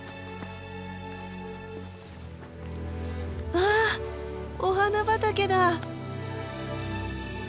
わあお花畑だ！